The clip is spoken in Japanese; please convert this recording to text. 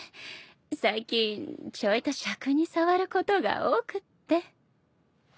最近ちょいとしゃくに障ることが多くって。